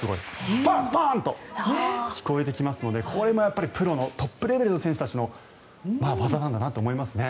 スパン！と聞こえてきますのでこれもプロのトップレベルの選手たちの技なんだなと思いますね。